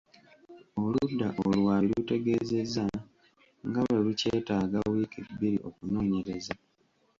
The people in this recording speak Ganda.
Oludda oluwaabi lutegeezezza nga bwe lukyetaaga wiiki bbiri okunoonyereza.